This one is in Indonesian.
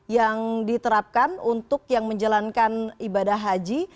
yang diterapkan untuk yang menjalankan ibadah haji